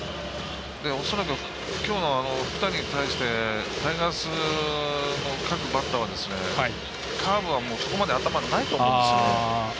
恐らくきょうの福谷に対してタイガースの各バッターはカーブはもうそこまで頭にないと思うんですよね。